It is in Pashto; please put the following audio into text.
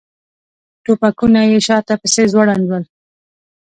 ټوپکونه یې شاته پسې ځوړند ول.